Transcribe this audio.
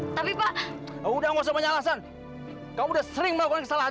tapi pak udah ngomongnya alasan kamu udah sering melakukan kesalahan